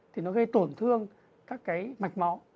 thì nó gây tổn thương các cái mạch máu